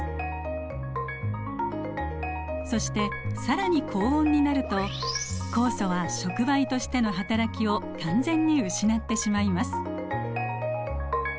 そして更に高温になると酵素は触媒としてのはたらきを完全に失ってしまいます。